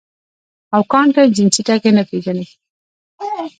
او کانټنجنسي ټکے نۀ پېژني -